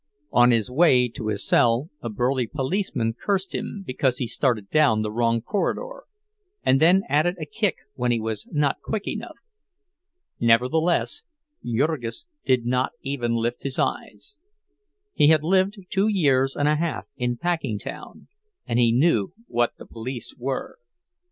On his way to his cell a burly policeman cursed him because he started down the wrong corridor, and then added a kick when he was not quick enough; nevertheless, Jurgis did not even lift his eyes—he had lived two years and a half in Packingtown, and he knew what the police were.